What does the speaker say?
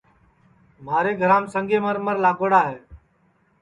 مھارے گھرام سنگے مرمر لاگوڑا ہے